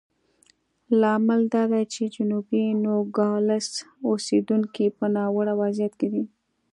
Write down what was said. لامل دا دی چې جنوبي نوګالس اوسېدونکي په ناوړه وضعیت کې دي.